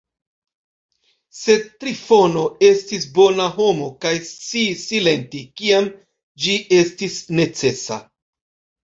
Sed Trifono estis bona homo kaj sciis silenti, kiam ĝi estis necesa.